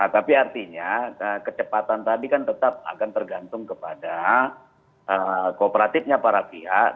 tapi artinya kecepatan tadi kan tetap akan tergantung kepada kooperatifnya para pihak